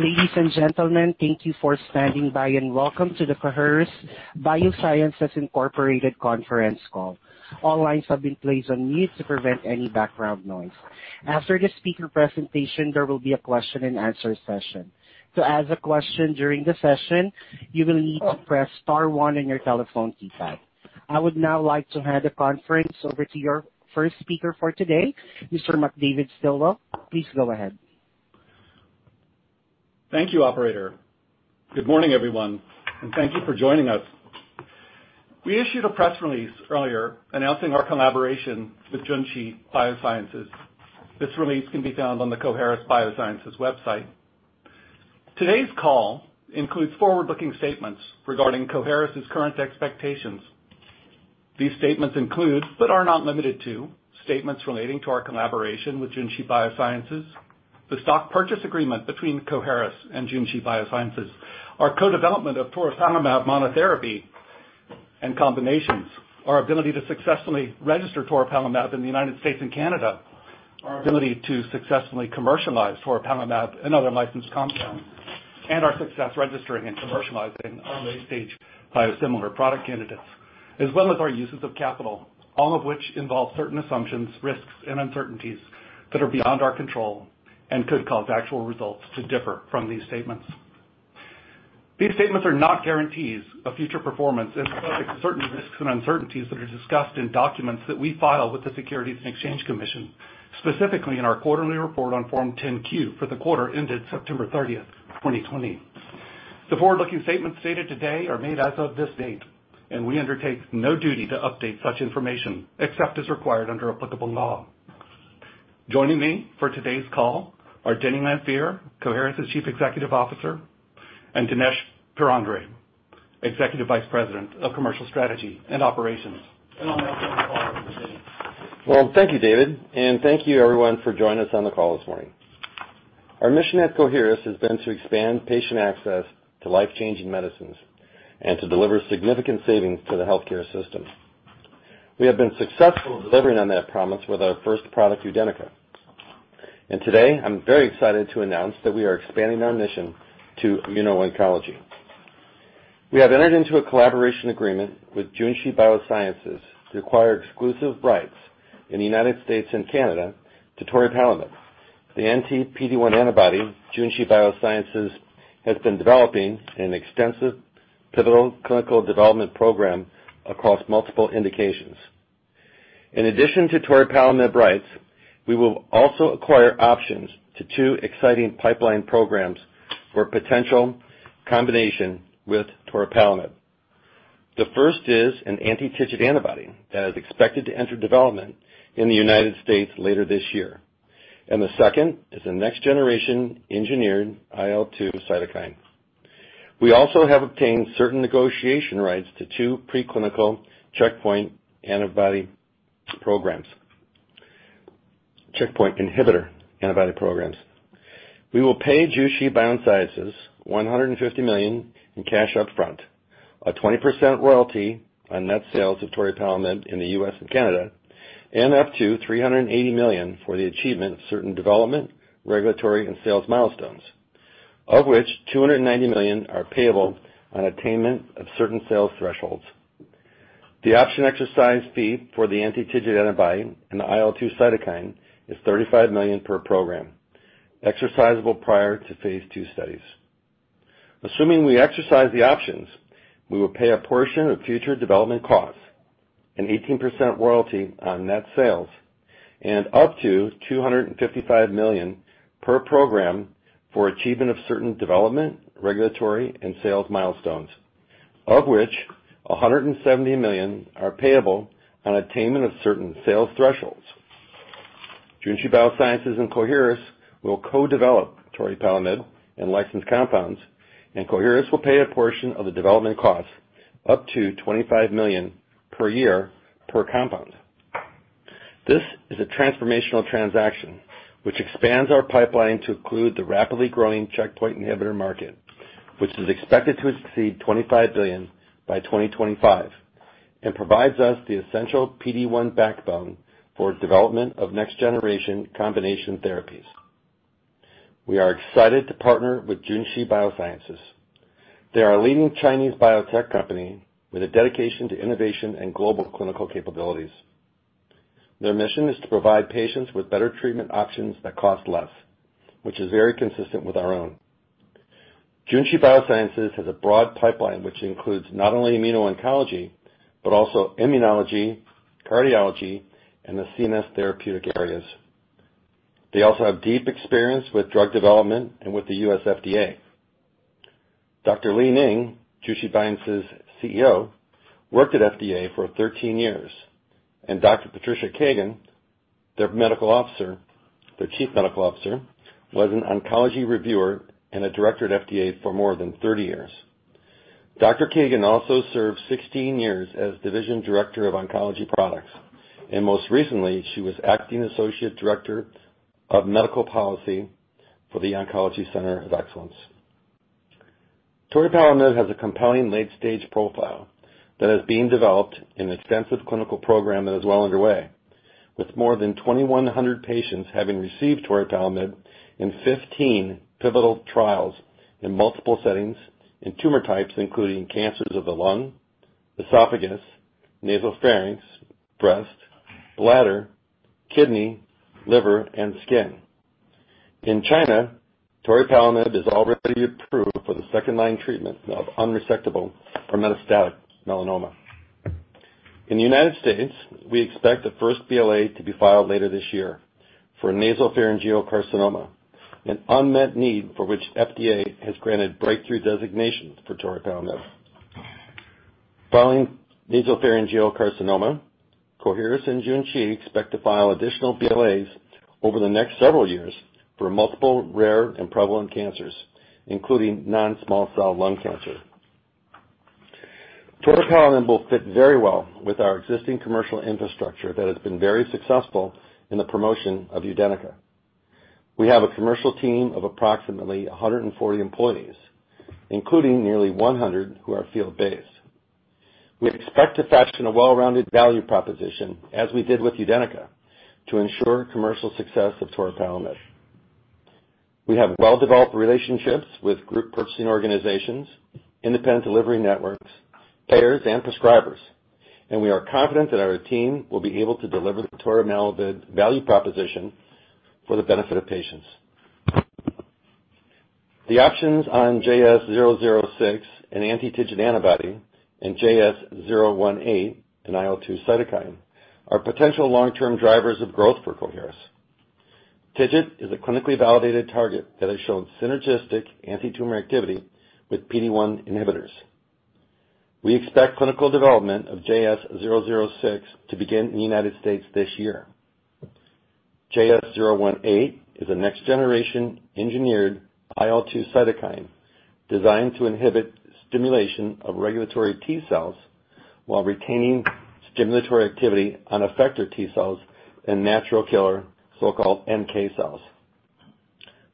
Ladies and gentlemen, thank you for standing by, and welcome to the Coherus BioSciences, Inc. conference call. All lines have been placed on mute to prevent any background noise. After the speaker presentation, there will be a question and answer session. To ask a question during the session, you will need to press star one on your telephone keypad. I would now like to hand the conference over to your first speaker for today, Mr. David Stilwell. Please go ahead. Thank you, operator. Good morning, everyone, and thank you for joining us. We issued a press release earlier announcing our collaboration with Junshi Biosciences. This release can be found on the Coherus BioSciences website. Today's call includes forward-looking statements regarding Coherus's current expectations. These statements include, but are not limited to, statements relating to our collaboration with Junshi Biosciences, the stock purchase agreement between Coherus and Junshi Biosciences, our co-development of toripalimab monotherapy and combinations, our ability to successfully register toripalimab in the United States and Canada, our ability to successfully commercialize toripalimab and other licensed compounds, and our success registering and commercializing our late-stage biosimilar product candidates, as well as our uses of capital. All of which involve certain assumptions, risks, and uncertainties that are beyond our control and could cause actual results to differ from these statements. These statements are not guarantees of future performance and are subject to certain risks and uncertainties that are discussed in documents that we file with the Securities and Exchange Commission, specifically in our quarterly report on Form 10-Q for the quarter ended September 30th, 2020. The forward-looking statements stated today are made as of this date, and we undertake no duty to update such information, except as required under applicable law. Joining me for today's call are Denny Lanfear, Coherus's Chief Executive Officer, and Dinesh Purandare, Executive Vice President of Commercial Strategy and Operations. I'll now turn the call over to Denny. Well, thank you, David. Thank you everyone for joining us on the call this morning. Our mission at Coherus has been to expand patient access to life-changing medicines and to deliver significant savings to the healthcare system. We have been successful in delivering on that promise with our first product, UDENYCA. Today, I'm very excited to announce that we are expanding our mission to immuno-oncology. We have entered into a collaboration agreement with Junshi Biosciences to acquire exclusive rights in the United States and Canada to toripalimab, the anti-PD-1 antibody Junshi Biosciences has been developing in an extensive pivotal clinical development program across multiple indications. In addition to toripalimab rights, we will also acquire options to two exciting pipeline programs for potential combination with toripalimab. The first is an anti-TIGIT antibody that is expected to enter development in the U.S. later this year, and the second is a next-generation engineered IL-2 cytokine. We also have obtained certain negotiation rights to two preclinical checkpoint antibody programs, checkpoint inhibitor antibody programs. We will pay Junshi Biosciences $150 million in cash upfront, a 20% royalty on net sales of toripalimab in the U.S. and Canada, and up to $380 million for the achievement of certain development, regulatory, and sales milestones, of which $290 million are payable on attainment of certain sales thresholds. The option exercise fee for the anti-TIGIT antibody and the IL-2 cytokine is $35 million per program, exercisable prior to phase II studies. Assuming we exercise the options, we will pay a portion of future development costs, an 18% royalty on net sales, and up to $255 million per program for achievement of certain development, regulatory, and sales milestones, of which $170 million are payable on attainment of certain sales thresholds. Junshi Biosciences and Coherus will co-develop toripalimab and licensed compounds, Coherus will pay a portion of the development cost, up to $25 million per year per compound. This is a transformational transaction which expands our pipeline to include the rapidly growing checkpoint inhibitor market, which is expected to exceed $25 billion by 2025, and provides us the essential PD-1 backbone for development of next-generation combination therapies. We are excited to partner with Junshi Biosciences. They are a leading Chinese biotech company with a dedication to innovation and global clinical capabilities. Their mission is to provide patients with better treatment options that cost less, which is very consistent with our own. Junshi Biosciences has a broad pipeline which includes not only immuno-oncology, but also immunology, cardiology, and the CNS therapeutic areas. They also have deep experience with drug development and with the U.S. FDA. Dr. Li Ning, Junshi Biosciences' CEO, worked at FDA for 13 years, and Dr. Patricia Keegan, their medical officer, their Chief Medical Officer, was an oncology reviewer and a director at FDA for more than 30 years. Dr. Keegan also served 16 years as Division Director of Oncology Products, and most recently, she was Acting Associate Director of Medical Policy for the Oncology Center of Excellence. Toripalimab has a compelling late-stage profile that is being developed in an extensive clinical program that is well underway, with more than 2,100 patients having received toripalimab in 15 pivotal trials in multiple settings, in tumor types including cancers of the lung, esophagus, nasopharynx, breast, bladder, kidney, liver, and skin. In China, toripalimab is already approved for the second-line treatment of unresectable or metastatic melanoma. In the United States, we expect the first BLA to be filed later this year for nasopharyngeal carcinoma, an unmet need for which FDA has granted Breakthrough designation for toripalimab. Following nasopharyngeal carcinoma, Coherus and Junshi expect to file additional BLAs over the next several years for multiple rare and prevalent cancers, including non-small cell lung cancer. Toripalimab will fit very well with our existing commercial infrastructure that has been very successful in the promotion of UDENYCA. We have a commercial team of approximately 140 employees, including nearly 100 who are field-based. We expect to fashion a well-rounded value proposition, as we did with UDENYCA, to ensure commercial success of toripalimab. We have well-developed relationships with group purchasing organizations, independent delivery networks, payers, and prescribers, and we are confident that our team will be able to deliver the toripalimab value proposition for the benefit of patients. The options on JS006, an anti-TIGIT antibody, and JS018, an IL-2 cytokine, are potential long-term drivers of growth for Coherus. TIGIT is a clinically validated target that has shown synergistic antitumor activity with PD-1 inhibitors. We expect clinical development of JS006 to begin in the U.S. this year. JS018 is a next-generation engineered IL-2 cytokine designed to inhibit stimulation of regulatory T cells while retaining stimulatory activity on effector T cells and natural killer, so-called NK cells.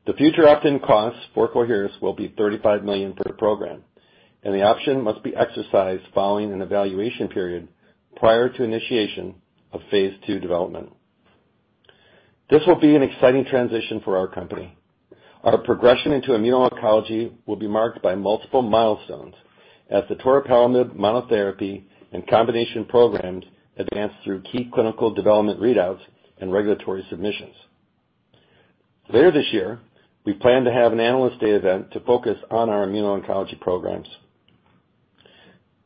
The future option costs for Coherus will be $35 million per program, and the option must be exercised following an evaluation period prior to initiation of phase II development. This will be an exciting transition for our company. Our progression into immuno-oncology will be marked by multiple milestones as the toripalimab monotherapy and combination programs advance through key clinical development readouts and regulatory submissions. Later this year, we plan to have an Analyst Day event to focus on our immuno-oncology programs.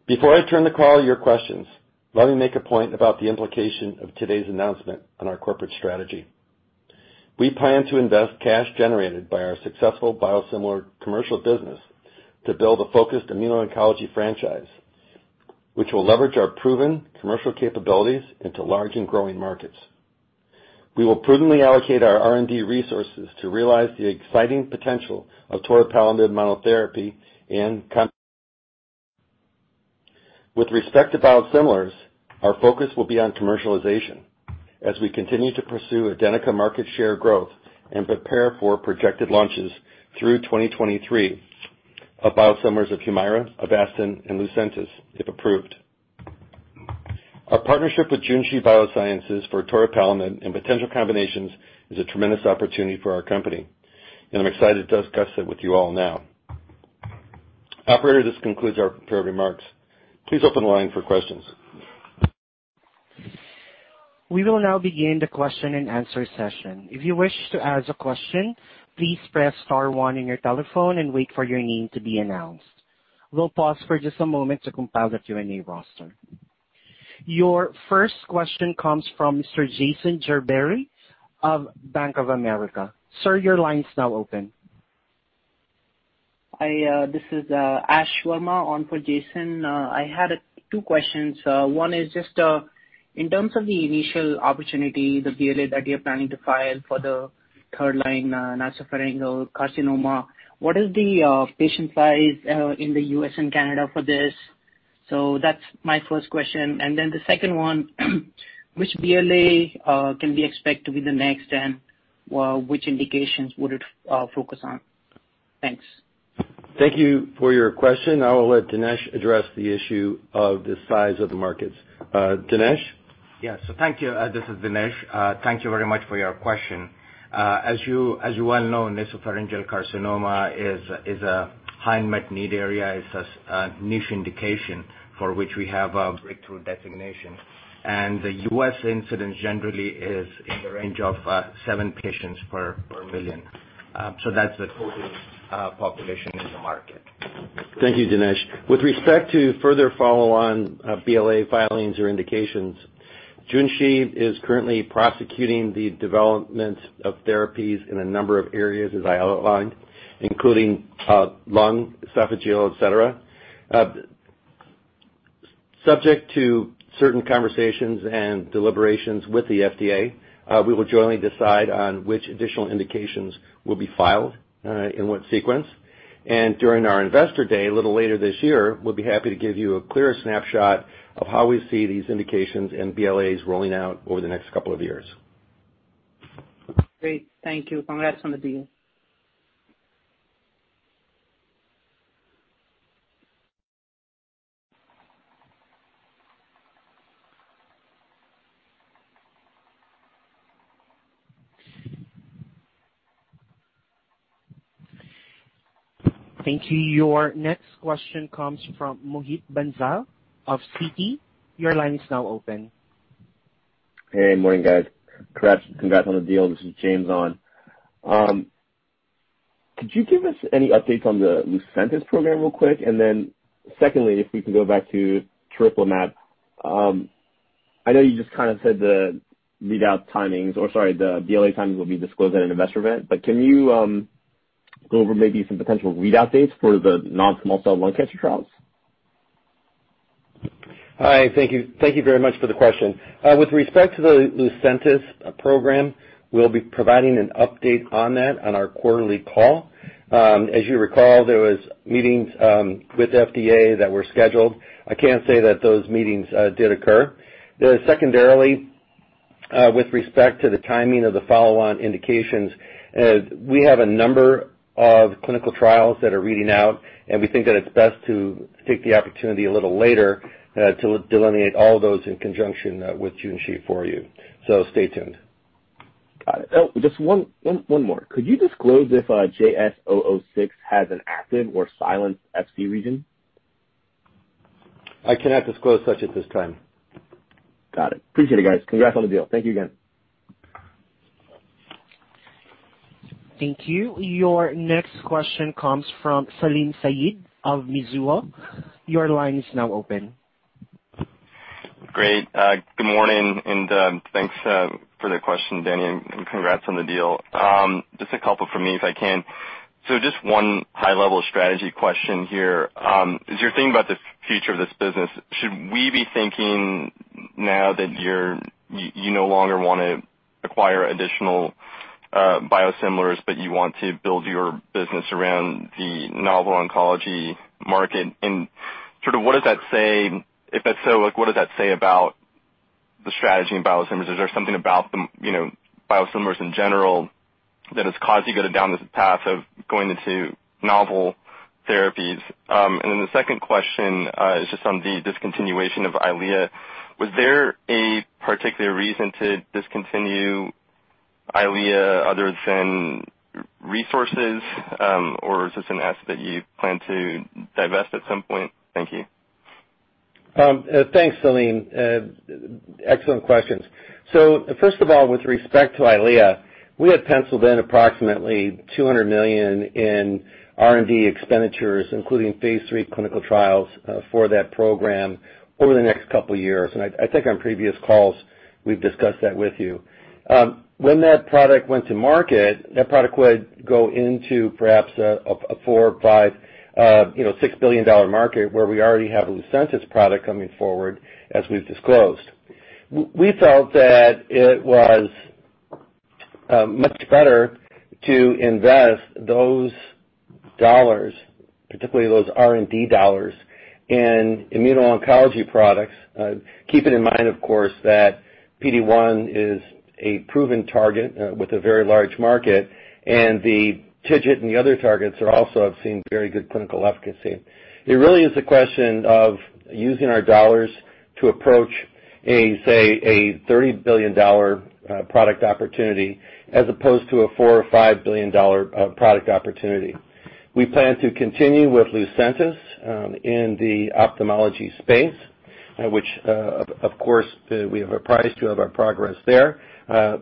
Before I turn the call to your questions, let me make a point about the implication of today's announcement on our corporate strategy. We plan to invest cash generated by our successful biosimilar commercial business to build a focused immuno-oncology franchise, which will leverage our proven commercial capabilities into large and growing markets. We will prudently allocate our R&D resources to realize the exciting potential of toripalimab monotherapy. With respect to biosimilars, our focus will be on commercialization as we continue to pursue UDENYCA market share growth and prepare for projected launches through 2023 of biosimilars of HUMIRA, AVASTIN, and LUCENTIS, if approved. Our partnership with Junshi Biosciences for toripalimab and potential combinations is a tremendous opportunity for our company, and I'm excited to discuss it with you all now. Operator, this concludes our prepared remarks. Please open the line for questions. We will now begin the question and answer session. If you wish to ask a question, please press star one on your telephone and wait for your name to be announced. We'll pause for just a moment to compile the Q&A roster. Your first question comes from Mr. Jason Gerberry of Bank of America. Sir, your line's now open. This is Ashwarya Sharma on for Jason. I had two questions. One is just in terms of the initial opportunity, the BLA that you're planning to file for the third-line nasopharyngeal carcinoma, what is the patient size in the U.S. and Canada for this? That's my first question. The second one which BLA can we expect to be the next, and which indications would it focus on? Thanks. Thank you for your question. I will let Dinesh address the issue of the size of the markets. Dinesh? Thank you. This is Dinesh. Thank you very much for your question. As you well know, nasopharyngeal carcinoma is a high unmet need area. It's a niche indication for which we have a breakthrough designation. The U.S. incidence generally is in the range of seven patients per million. That's the total population in the market. Thank you, Dinesh. With respect to further follow on BLA filings or indications, Junshi is currently prosecuting the development of therapies in a number of areas, as I outlined, including lung, esophageal, et cetera. Subject to certain conversations and deliberations with the FDA, we will jointly decide on which additional indications will be filed and in what sequence. During our Investor Day a little later this year, we'll be happy to give you a clearer snapshot of how we see these indications and BLAs rolling out over the next couple of years. Great. Thank you. Congrats on the deal. Thank you. Your next question comes from Mohit Bansal of Citi. Your line is now open. Hey, morning, guys. Congrats on the deal. This is James on. Could you give us any updates on the LUCENTIS program real quick? Secondly, if we could go back to tremelimumab. I know you just said the readout timings, or sorry, the BLA timings will be disclosed at an investor event, can you go over maybe some potential readout dates for the non-small cell lung cancer trials? Hi. Thank you very much for the question. With respect to the LUCENTIS program, we'll be providing an update on that on our quarterly call. As you recall, there was meetings with FDA that were scheduled. I can say that those meetings did occur. Secondarily, with respect to the timing of the follow-on indications, we have a number of clinical trials that are reading out, and we think that it's best to take the opportunity a little later to delineate all those in conjunction with Junshi for you. Stay tuned. Got it. Just one more. Could you disclose if JS006 has an active or silent Fc region? I cannot disclose such at this time. Got it. Appreciate it, guys. Congrats on the deal. Thank you again. Thank you. Your next question comes from Salim Syed of Mizuho. Your line is now open. Great. Good morning, thanks for the question, Denny, and congrats on the deal. Just a couple from me, if I can. Just one high-level strategy question here. As you're thinking about the future of this business, should we be thinking now that you no longer want to acquire additional biosimilars, but you want to build your business around the novel oncology market? If that's so, what does that say about the strategy in biosimilars? Is there something about the biosimilars in general that has caused you to go down this path of going into novel therapies? The second question is just on the discontinuation of EYLEA. Was there a particular reason to discontinue EYLEA other than resources? Is this an asset that you plan to divest at some point? Thank you. Thanks, Salim. Excellent questions. First of all, with respect to EYLEA, we had penciled in approximately $200 million in R&D expenditures, including phase III clinical trials for that program over the next couple of years, and I think on previous calls we've discussed that with you. When that product went to market, that product would go into perhaps a $4 billion, $5 billion, $6 billion market where we already have Lucentis product coming forward, as we've disclosed. We felt that it was much better to invest those dollars, particularly those R&D dollars, in immuno-oncology products. Keeping in mind, of course, that PD-1 is a proven target with a very large market, and the TIGIT and the other targets also have seen very good clinical efficacy. It really is a question of using our dollars to approach, say, a $30 billion product opportunity as opposed to a $4 billion or $5 billion product opportunity. We plan to continue with LUCENTIS in the ophthalmology space, which of course we have apprised you of our progress there. I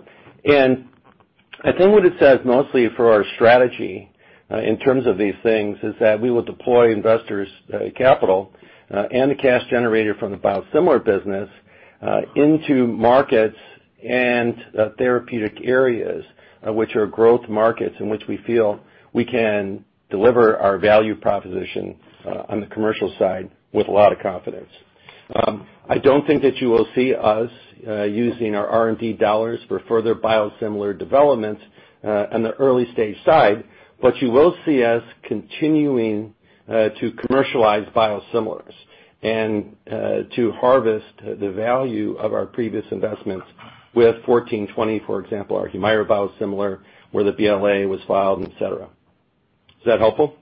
think what it says mostly for our strategy in terms of these things is that we will deploy investors' capital and the cash generated from the biosimilar business into markets and therapeutic areas which are growth markets in which we feel we can deliver our value proposition on the commercial side with a lot of confidence. I don't think that you will see us using our R&D dollars for further biosimilar development on the early stage side, but you will see us continuing to commercialize biosimilars and to harvest the value of our previous investments with CHS-1420, for example, our HUMIRA biosimilar, where the BLA was filed, et cetera. Is that helpful?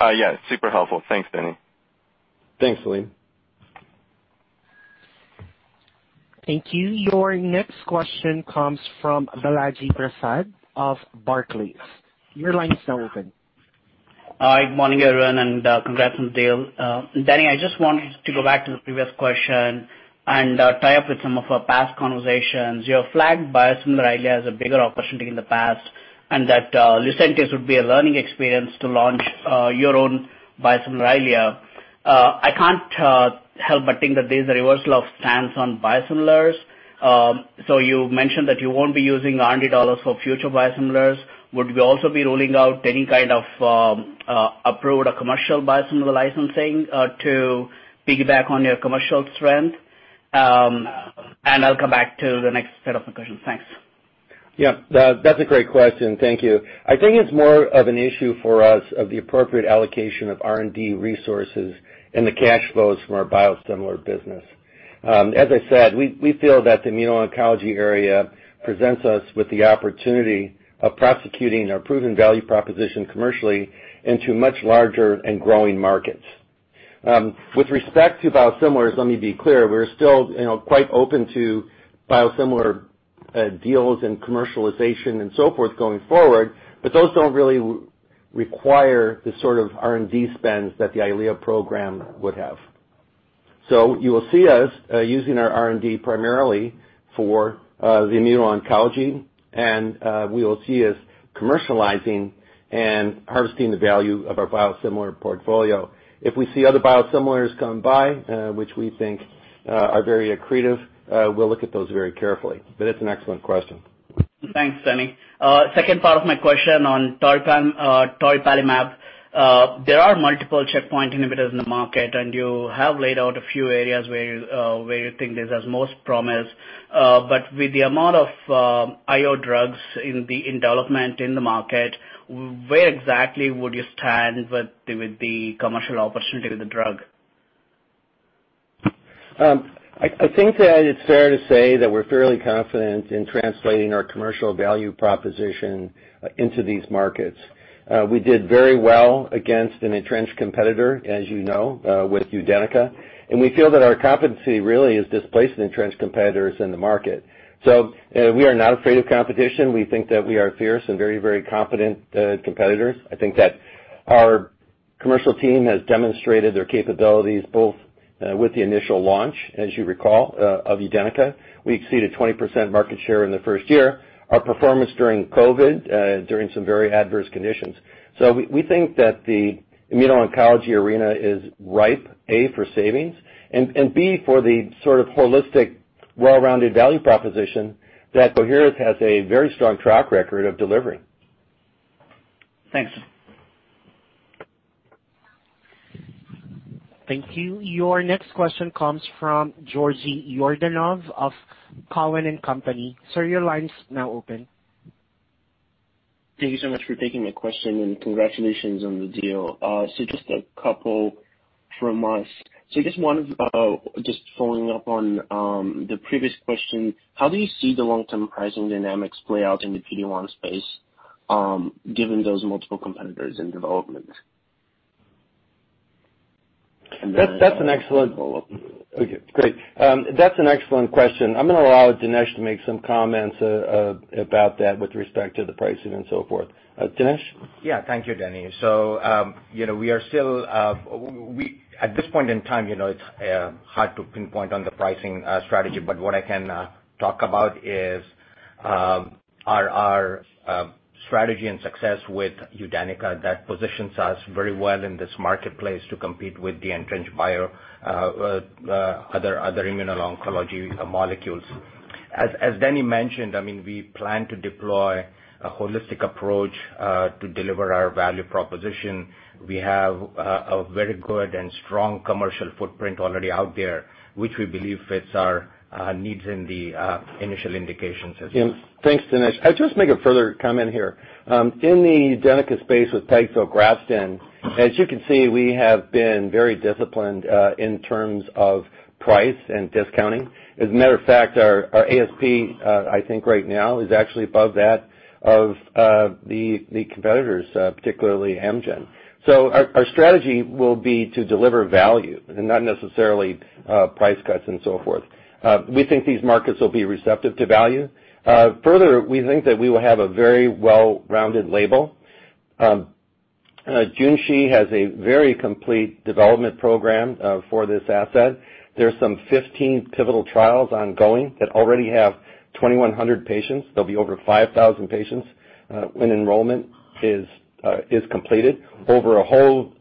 Yeah, super helpful. Thanks, Denny. Thanks, Salim. Thank you. Your next question comes from Balaji Prasad of Barclays. Your line is now open. Hi, good morning, everyone, congrats on the deal. Denny, I just wanted to go back to the previous question and tie up with some of our past conversations. You have flagged biosimilar EYLEA as a bigger opportunity in the past, and that LUCENTIS would be a learning experience to launch your own biosimilar EYLEA. I can't help but think that there's a reversal of stance on biosimilars. You mentioned that you won't be using R&D dollars for future biosimilars. Would we also be ruling out any kind of approved or commercial biosimilar licensing to piggyback on your commercial strength? I'll come back to the next set of questions. Thanks. Yeah. That's a great question. Thank you. I think it's more of an issue for us of the appropriate allocation of R&D resources and the cash flows from our biosimilar business. As I said, we feel that the immuno-oncology area presents us with the opportunity of prosecuting our proven value proposition commercially into much larger and growing markets. With respect to biosimilars, let me be clear, we're still quite open to biosimilar deals and commercialization and so forth going forward, but those don't really require the sort of R&D spends that the EYLEA program would have. You will see us using our R&D primarily for the immuno-oncology, and we will see us commercializing and harvesting the value of our biosimilar portfolio. If we see other biosimilars come by, which we think are very accretive, we'll look at those very carefully. It's an excellent question. Thanks, Denny. Second part of my question on toripalimab. There are multiple checkpoint inhibitors in the market. You have laid out a few areas where you think this has most promise. With the amount of IO drugs in development in the market, where exactly would you stand with the commercial opportunity with the drug? I think that it's fair to say that we're fairly confident in translating our commercial value proposition into these markets. We did very well against an entrenched competitor, as you know, with UDENYCA, and we feel that our competency really is displacing entrenched competitors in the market. We are not afraid of competition. We think that we are fierce and very competent competitors. I think that our commercial team has demonstrated their capabilities both with the initial launch, as you recall, of UDENYCA. We exceeded 20% market share in the first year, our performance during COVID, during some very adverse conditions. We think that the immuno-oncology arena is ripe, A, for savings, and B, for the sort of holistic, well-rounded value proposition that Coherus has a very strong track record of delivering. Thanks. Thank you. Your next question comes from Georgi Yordanov of Cowen and Company. Sir, your line's now open. Thank you so much for taking my question, congratulations on the deal. Just a couple from us. Just following up on the previous question, how do you see the long-term pricing dynamics play out in the PD-1 space given those multiple competitors in development? That's an excellent- Follow up. Okay, great. That's an excellent question. I'm going to allow Dinesh to make some comments about that with respect to the pricing and so forth. Dinesh? Yeah, thank you, Denny. At this point in time, it's hard to pinpoint on the pricing strategy, but what I can talk about is our strategy and success with UDENYCA that positions us very well in this marketplace to compete with the entrenched bio, other immuno-oncology molecules. As Denny mentioned, we plan to deploy a holistic approach to deliver our value proposition. We have a very good and strong commercial footprint already out there, which we believe fits our needs in the initial indications as well. Thanks, Dinesh. I'll just make a further comment here. In the UDENYCA space with pegfilgrastim, as you can see, we have been very disciplined in terms of price and discounting. As a matter of fact, our ASP I think right now is actually above that of the competitors, particularly Amgen. Our strategy will be to deliver value and not necessarily price cuts and so forth. We think these markets will be receptive to value. Further, we think that we will have a very well-rounded label. Junshi has a very complete development program for this asset. There's some 15 pivotal trials ongoing that already have 2,100 patients. There'll be over 5,000 patients when enrollment is completed over a whole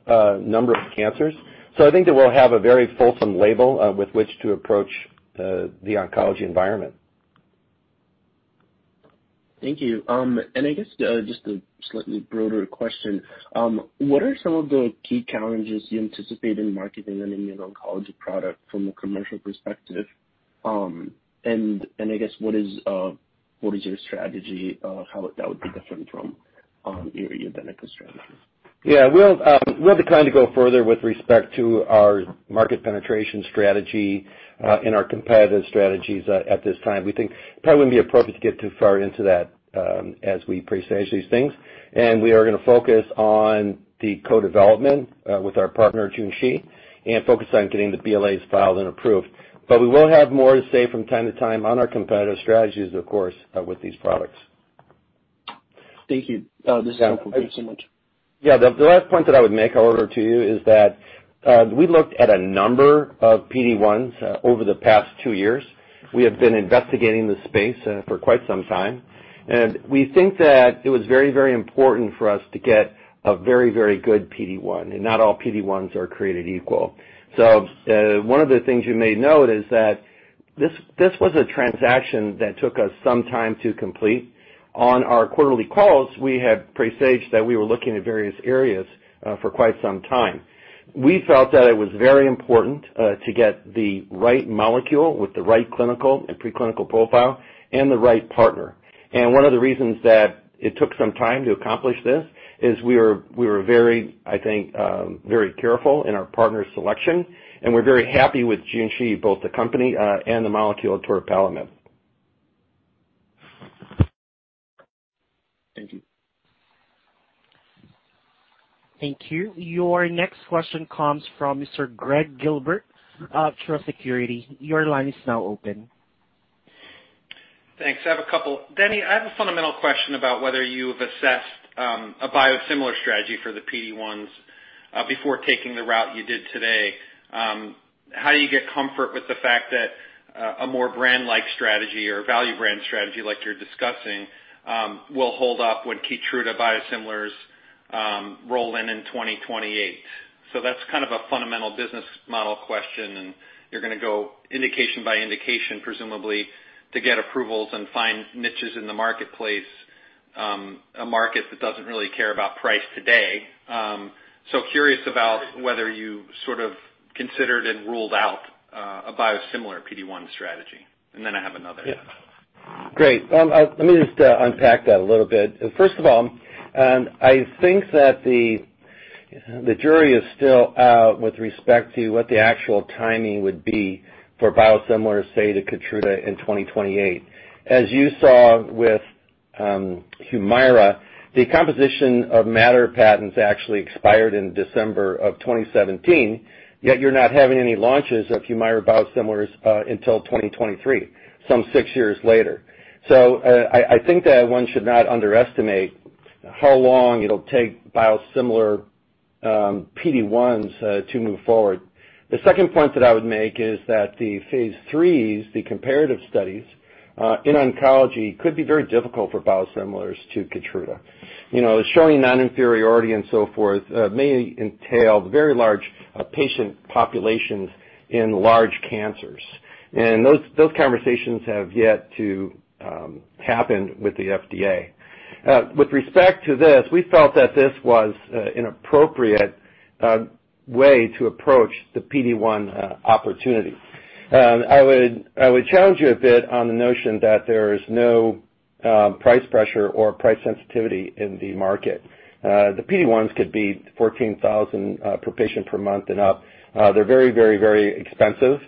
number of cancers. I think that we'll have a very fulsome label with which to approach the oncology environment. Thank you. I guess just a slightly broader question. What are some of the key challenges you anticipate in marketing an immuno-oncology product from a commercial perspective? I guess what is your strategy of how that would be different from your UDENYCA strategy? We'll decline to go further with respect to our market penetration strategy and our competitive strategies at this time. We think it probably wouldn't be appropriate to get too far into that as we presage these things, and we are going to focus on the co-development with our partner, Junshi, and focus on getting the BLAs filed and approved. We will have more to say from time to time on our competitive strategies, of course, with these products. Thank you. This is helpful. Thank you so much. The last point that I would make, however, to you is that we looked at a number of PD-1s over the past two years. We think that it was very important for us to get a very good PD-1, and not all PD-1s are created equal. One of the things you may note is that this was a transaction that took us some time to complete. On our quarterly calls, we had presaged that we were looking at various areas for quite some time. We felt that it was very important to get the right molecule with the right clinical and pre-clinical profile and the right partner. One of the reasons that it took some time to accomplish this is we were very careful in our partner selection, and we're very happy with Junshi, both the company and the molecule toripalimab. Thank you. Thank you. Your next question comes from Mr. Gregg Gilbert of Truist Securities. Your line is now open. Thanks. I have a couple. Denny, I have a fundamental question about whether you've assessed a biosimilar strategy for the PD-1s before taking the route you did today. How do you get comfort with the fact that a more brand-like strategy or value brand strategy like you're discussing will hold up when KEYTRUDA biosimilars roll in in 2028? That's kind of a fundamental business model question, and you're going to go indication by indication, presumably, to get approvals and find niches in the marketplace, a market that doesn't really care about price today. Curious about whether you sort of considered and ruled out a biosimilar PD-1 strategy. I have another. Yeah. Great. Let me just unpack that a little bit. First of all, I think that the jury is still out with respect to what the actual timing would be for biosimilars, say, to KEYTRUDA in 2028. As you saw with HUMIRA, the composition of matter patents actually expired in December of 2017, yet you're not having any launches of HUMIRA biosimilars until 2023, some six years later. I think that one should not underestimate how long it'll take biosimilar PD-1s to move forward. The second point that I would make is that the phase III, the comparative studies, in oncology could be very difficult for biosimilars to KEYTRUDA. Showing non-inferiority and so forth may entail very large patient populations in large cancers. Those conversations have yet to happen with the FDA. With respect to this, we felt that this was an appropriate way to approach the PD-1 opportunity. I would challenge you a bit on the notion that there is no price pressure or price sensitivity in the market. The PD-1s could be $14,000 per patient per month and up. They're very expensive.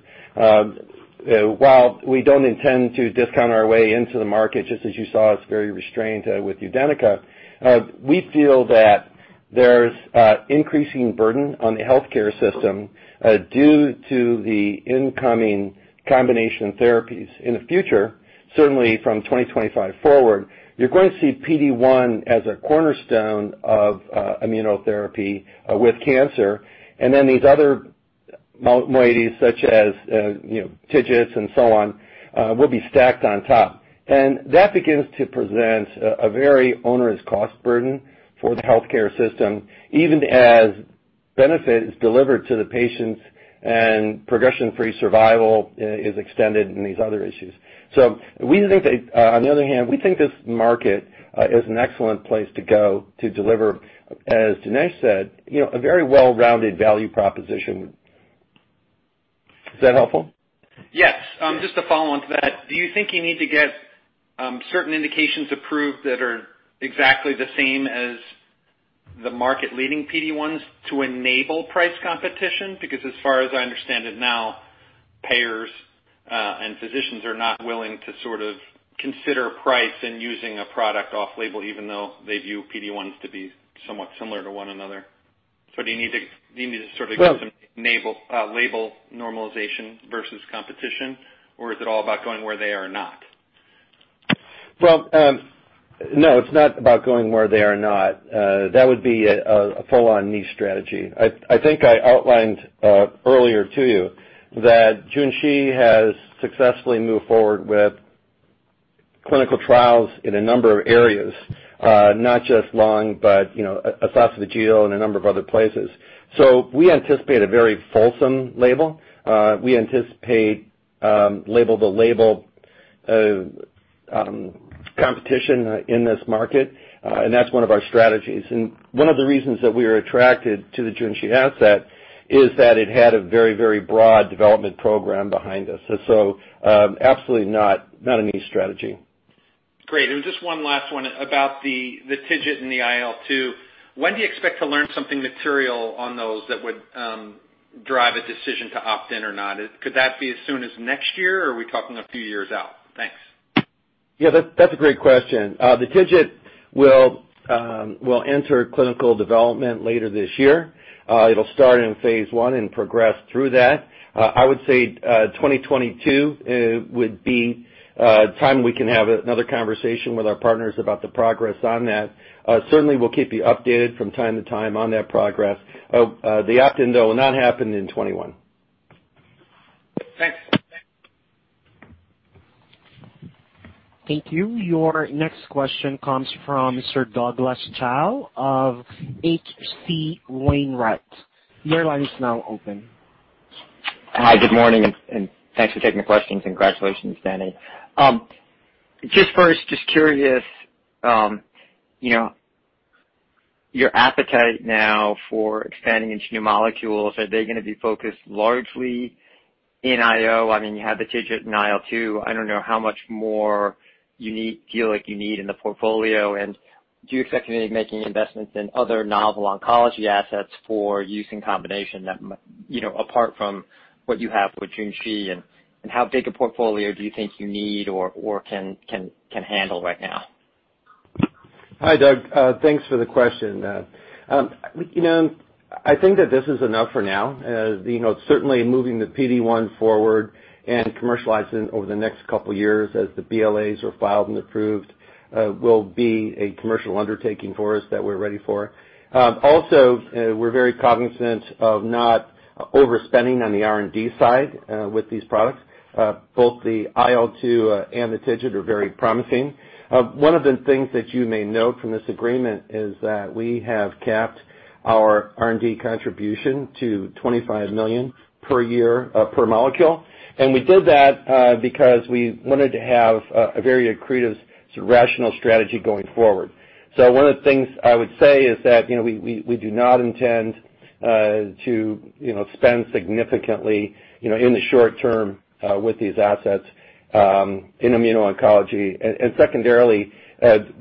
While we don't intend to discount our way into the market, just as you saw us very restrained with UDENYCA, we feel that there's increasing burden on the healthcare system due to the incoming combination therapies in the future. Certainly from 2025 forward, you're going to see PD-1 as a cornerstone of immunotherapy with cancer, and then these other modalities such as TIGITs and so on will be stacked on top. That begins to present a very onerous cost burden for the healthcare system, even as benefit is delivered to the patients and progression-free survival is extended and these other issues. On the other hand, we think this market is an excellent place to go to deliver, as Dinesh said, a very well-rounded value proposition. Is that helpful? Yes. Just to follow on to that, do you think you need to get certain indications approved that are exactly the same as the market-leading PD-1s to enable price competition? As far as I understand it now, payers and physicians are not willing to sort of consider price in using a product off label, even though they view PD-1s to be somewhat similar to one another. Do you need to sort of get some label normalization versus competition, or is it all about going where they are not? Well, no, it's not about going where they are not. That would be a full-on niche strategy. I think I outlined earlier to you that Junshi has successfully moved forward with clinical trials in a number of areas. Not just lung, but esophageal and a number of other places. We anticipate a very fulsome label. We anticipate label-to-label competition in this market, and that's one of our strategies. One of the reasons that we are attracted to the Junshi asset is that it had a very broad development program behind us. Absolutely not a niche strategy. Great. Just one last one about the TIGIT and the IL-2. When do you expect to learn something material on those that would drive a decision to opt in or not? Could that be as soon as next year, or are we talking a few years out? Thanks. Yeah, that's a great question. The TIGIT will enter clinical development later this year. It'll start in phase I and progress through that. I would say 2022 would be a time we can have another conversation with our partners about the progress on that. Certainly, we'll keep you updated from time to time on that progress. The opt-in, though, will not happen in 2021. Thanks. Thank you. Your next question comes from Sir Douglas Tsao of H.C. Wainwright. Your line is now open. Hi, good morning, and thanks for taking the question. Congratulations, Denny. Just first, just curious, your appetite now for expanding into new molecules. Are they going to be focused largely in IO? You have the TIGIT and IL-2. I don't know how much more you feel like you need in the portfolio. Do you expect to be making investments in other novel oncology assets for use in combination, apart from what you have with Junshi? How big a portfolio do you think you need or can handle right now? Hi, Doug. Thanks for the question. I think that this is enough for now. Certainly moving the PD-1 forward and commercializing over the next couple of years as the BLAs are filed and approved will be a commercial undertaking for us that we're ready for. Also, we're very cognizant of not overspending on the R&D side with these products. Both the IL-2 and the TIGIT are very promising. One of the things that you may note from this agreement is that we have capped our R&D contribution to $25 million per year per molecule. We did that because we wanted to have a very accretive, rational strategy going forward. One of the things I would say is that, we do not intend to spend significantly, in the short term with these assets in immuno-oncology. Secondarily,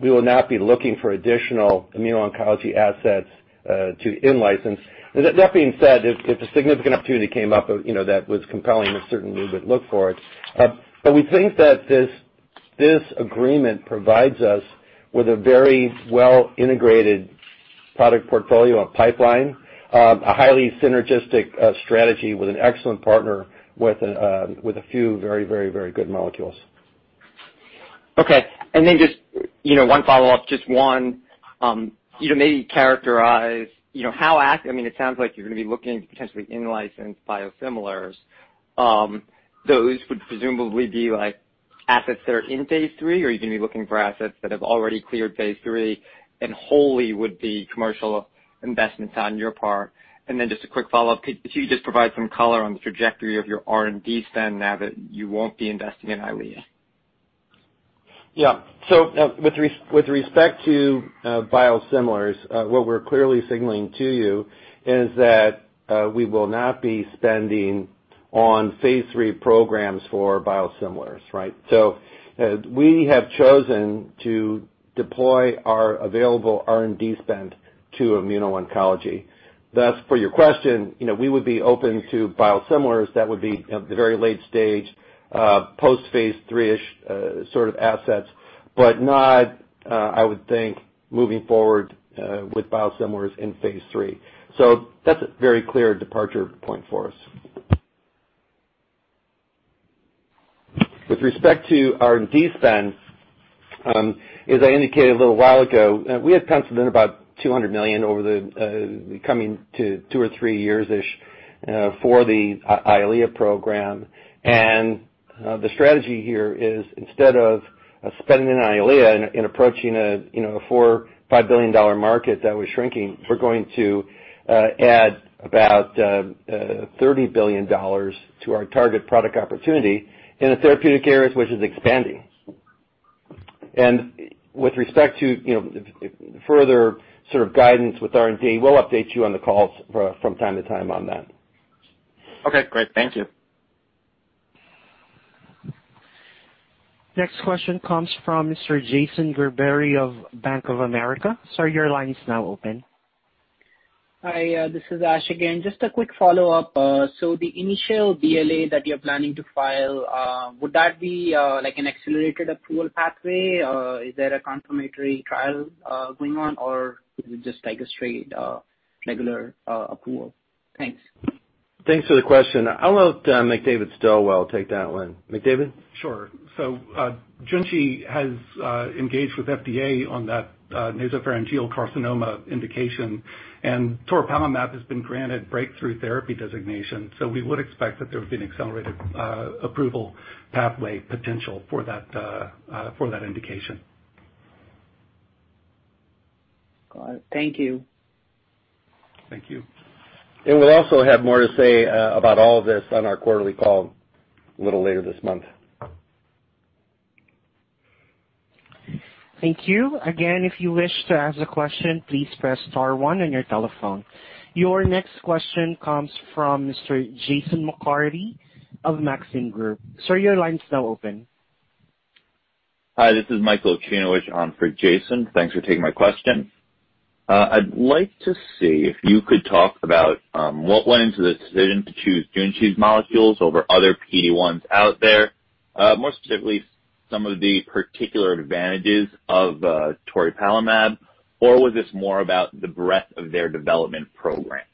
we will not be looking for additional immuno-oncology assets to in-license. That being said, if a significant opportunity came up that was compelling, certainly we would look for it. We think that this agreement provides us with a very well-integrated product portfolio and pipeline, a highly synergistic strategy with an excellent partner with a few very good molecules. Okay. Just one follow-up. Just one. Maybe characterize how it sounds like you're going to be looking to potentially in-license biosimilars. Those would presumably be assets that are in phase III, or are you going to be looking for assets that have already cleared phase III and wholly would be commercial investments on your part? Just a quick follow-up, could you just provide some color on the trajectory of your R&D spend now that you won't be investing in EYLEA? Yeah. With respect to biosimilars, what we're clearly signaling to you is that we will not be spending on phase III programs for biosimilars. Right? We have chosen to deploy our available R&D spend to immuno-oncology. For your question, we would be open to biosimilars that would be very late stage, post phase III-ish sort of assets, but not, I would think, moving forward with biosimilars in phase III. That's a very clear departure point for us. With respect to R&D spend, as I indicated a little while ago, we had spent about $200 million over the coming two or three years-ish for the EYLEA program. The strategy here is instead of spending on EYLEA and approaching a $4 billion-$5 billion market that was shrinking, we're going to add about $30 billion to our target product opportunity in the therapeutic areas, which is expanding. With respect to further sort of guidance with R&D, we'll update you on the calls from time to time on that. Okay, great. Thank you. Next question comes from Mr. Jason Gerberry of Bank of America. Sir, your line is now open. Hi, this is Ash again. Just a quick follow-up. The initial BLA that you're planning to file, would that be an accelerated approval pathway? Is there a confirmatory trial going on, or is it just like a straight regular approval? Thanks. Thanks for the question. I'll let McDavid Stilwell take that one. McDavid? Sure. Junshi has engaged with FDA on that nasopharyngeal carcinoma indication, and toripalimab has been granted Breakthrough Therapy designation. We would expect that there would be an accelerated approval pathway potential for that indication. Got it. Thank you. Thank you. We'll also have more to say about all of this on our quarterly call a little later this month. Thank you. Again, if you wish to ask a question, please press star one on your telephone. Your next question comes from Mr. Jason McCarthy of Maxim Group. Sir, your line's now open. Hi, this is Michael Chanowitch on for Jason. Thanks for taking my question. I'd like to see if you could talk about what went into the decision to choose Junshi's molecules over other PD-1s out there. More specifically, some of the particular advantages of toripalimab, or was this more about the breadth of their development program?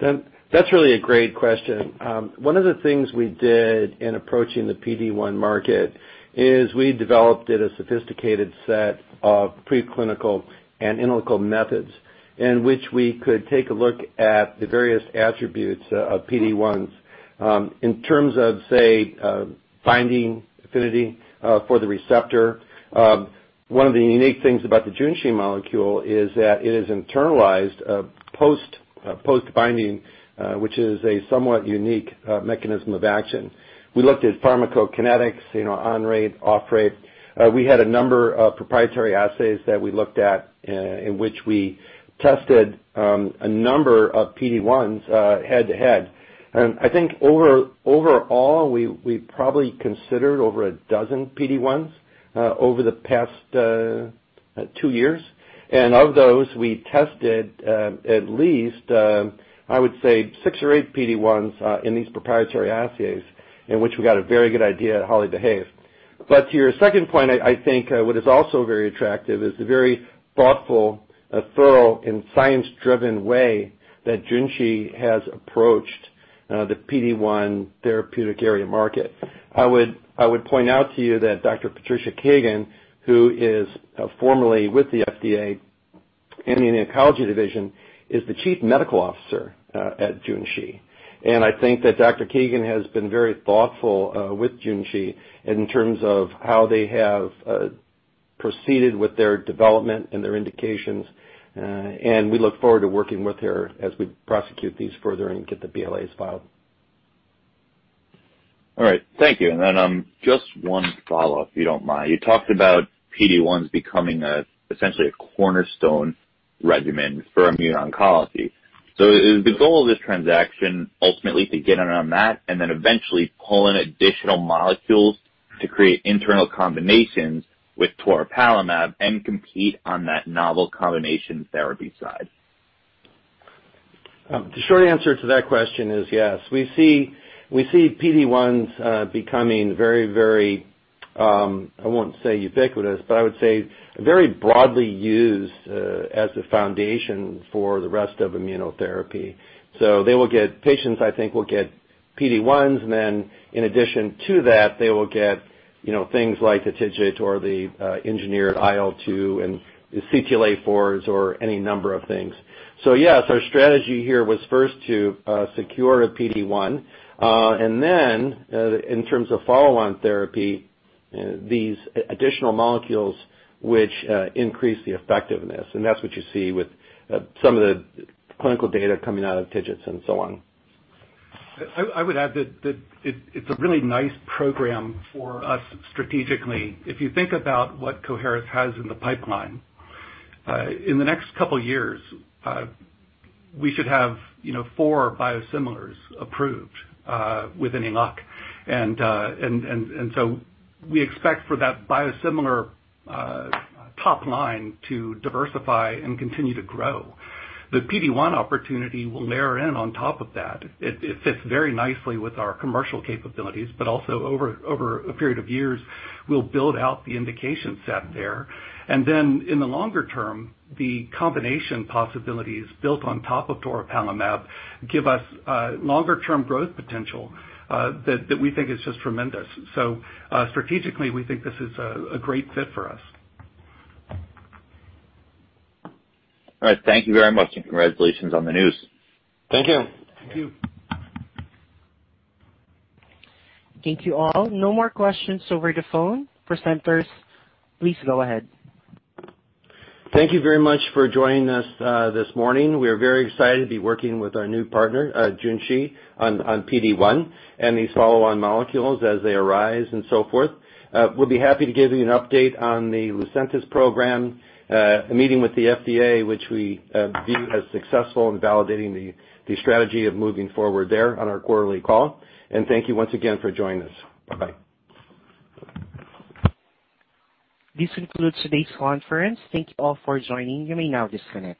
That's really a great question. One of the things we did in approaching the PD-1 market is we developed a sophisticated set of preclinical and clinical methods in which we could take a look at the various attributes of PD-1s. In terms of, say, finding affinity for the receptor, one of the unique things about the Junshi molecule is that it is internalized post-binding, which is a somewhat unique mechanism of action. We looked at pharmacokinetics, on rate, off rate. We had a number of proprietary assays that we looked at in which we tested a number of PD-1s head-to-head. I think overall, we probably considered over a dozen PD-1s over the past two years. Of those, we tested at least, I would say, six or eight PD-1s in these proprietary assays, in which we got a very good idea of how they behave. To your second point, I think what is also very attractive is the very thoughtful, thorough, and science-driven way that Junshi has approached the PD-1 therapeutic area market. I would point out to you that Dr. Patricia Keegan, who is formerly with the FDA immuno-oncology division, is the Chief Medical Officer at Junshi. I think that Dr. Keegan has been very thoughtful with Junshi in terms of how they have proceeded with their development and their indications. We look forward to working with her as we prosecute these further and get the BLAs filed. All right. Thank you. Just one follow-up, if you don't mind. You talked about PD-1s becoming essentially a cornerstone regimen for immuno-oncology. Is the goal of this transaction ultimately to get in on that, and then eventually pull in additional molecules to create internal combinations with toripalimab and compete on that novel combination therapy side? The short answer to that question is yes. We see PD-1s becoming very, I won't say ubiquitous, but I would say very broadly used as the foundation for the rest of immunotherapy. Patients, I think, will get PD-1s, and then in addition to that, they will get things like the tiragolumab or the engineered IL-2 and CTLA-4s or any number of things. Yes, our strategy here was first to secure a PD-1, and then, in terms of follow-on therapy, these additional molecules which increase the effectiveness. That's what you see with some of the clinical data coming out of tiragolumab and so on. I would add that it's a really nice program for us strategically. If you think about what Coherus has in the pipeline, in the next couple of years, we should have four biosimilars approved within I-O/onc. We expect for that biosimilar top line to diversify and continue to grow. The PD-1 opportunity will layer in on top of that. It fits very nicely with our commercial capabilities, also over a period of years, we'll build out the indication set there. In the longer term, the combination possibilities built on top of toripalimab give us longer-term growth potential that we think is just tremendous. Strategically, we think this is a great fit for us. All right. Thank you very much, and congratulations on the news. Thank you. Thank you. Thank you all. No more questions over the phone. Presenters, please go ahead. Thank you very much for joining us this morning. We are very excited to be working with our new partner, Junshi, on PD-1, and these follow-on molecules as they arise and so forth. We'll be happy to give you an update on the LUCENTIS program, a meeting with the FDA, which we view as successful in validating the strategy of moving forward there on our quarterly call. Thank you once again for joining us. Bye-bye. This concludes today's conference. Thank you all for joining. You may now disconnect.